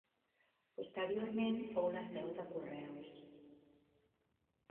Posteriorment fou la seu de Correus.